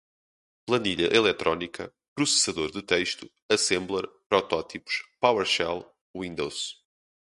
planilha eletrônica, processador de texto, assembler, protótipos, powershell, windows